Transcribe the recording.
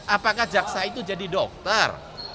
apakah jaksa itu jadi dokter